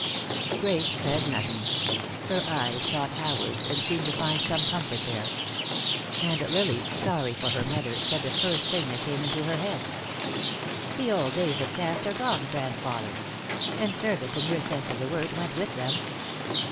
Grace said nothing. Her eyes sought Howard's, and seemed to find some comfort there. And Lily, sorry for her mother, said the first thing that came into her head. "The old days of caste are gone, grandfather. And service, in your sense of the word, went with them."